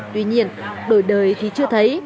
tuy nhiên đổi đời thì chưa thấy